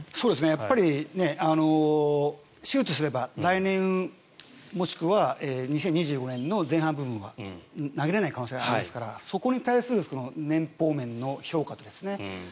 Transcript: やっぱり手術すれば来年もしくは２０２５年の前半部分は投げられない可能性がありますからそこに対する年俸面の評価ですね。